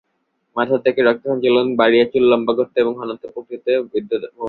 মাথার ত্বকের রক্ত সঞ্চালন বাড়িয়ে চুল লম্বা করতে এবং ঘনত্ব বৃদ্ধিতে ভূমিকা রাখে।